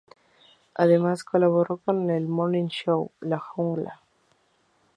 Además, colaboró con el morning show 'La Jungla'.